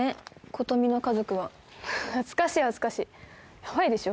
琴美の家族は恥ずかしい恥ずかしいヤバいでしょ